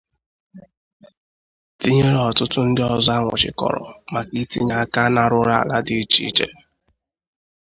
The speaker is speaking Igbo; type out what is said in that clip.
tinyere ọtụtụ ndị ọzọ a nwụchikọrọ maka itinye aka n'arụrụala dị iche iche